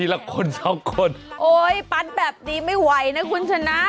ละคนสองคนโอ๊ยปั๊ดแบบนี้ไม่ไหวนะคุณชนะ